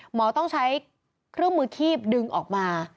หมอต้องใช้เครื่องมือคีบดึงออกมา